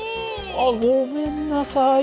あっごめんなさい。